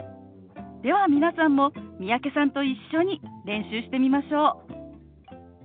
では皆さんも三宅さんと一緒に練習してみましょう！